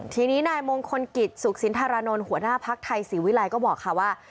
ทีนี้นายมงคลกิจสุขสินธารานนท์หัวหน้าภักดิ์ไทยศรีวิรัยก็บอกค่ะว่า